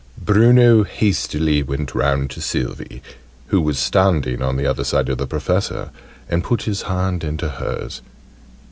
Bruno hastily went round to Sylvie, who was standing at the other side of the Professor, and put his hand into hers.